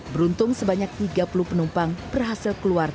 beruntung sebanyak tiga puluh penumpang berhasil keluar